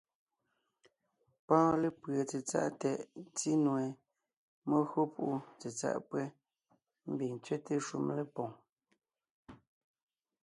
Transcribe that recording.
Pɔ́ɔn lépʉe tsetsáʼ tɛʼ, ńtí nue, mé gÿo púʼu tsetsáʼ pÿɛ́, ḿbiŋ ńtsẅɛ́te shúm lépoŋ.